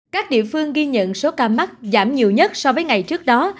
các địa phương ghi nhận số ca mắc giảm nhiều nhất so với ngày trước đó